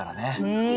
うん。